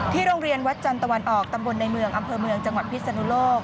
โรงเรียนวัดจันทวันออกตำบลในเมืองอำเภอเมืองจังหวัดพิศนุโลก